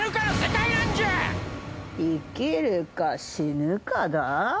生きるか死ぬかだ？